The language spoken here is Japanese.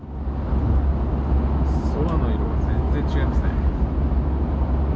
空の色が全然違いますね。